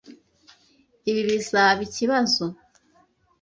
Ibi bizaba ikibazo?